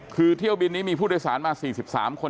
คือเที่ยวบินนี้มีผู้โดยสารมา๔๓คน